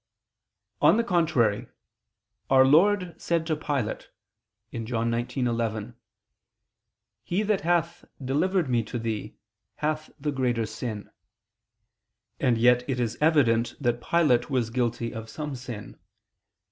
On the contrary, Our Lord said to Pilate (John 19:11): "He that hath delivered me to thee, hath the greater sin," and yet it is evident that Pilate was guilty of some sin.